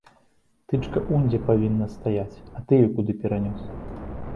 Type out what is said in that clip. Тычка унь дзе павінна стаяць, а ты яе куды перанёс?!